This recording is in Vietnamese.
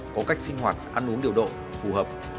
có cách sinh hoạt ăn uống điều độ phù hợp